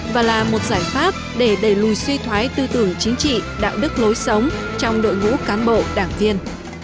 và là một giải pháp để đẩy lùi suy thoái tư tưởng chính trị đạo đức lối sống trong đội ngũ cán bộ đảng viên